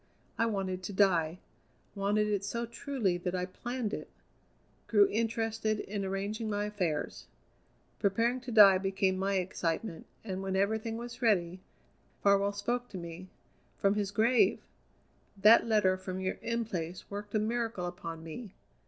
I wanted to die; wanted it so truly that I planned it; grew interested in arranging my affairs. Preparing to die became my excitement, and when everything was ready, Farwell spoke to me from his grave! That letter from your In Place worked a miracle upon me.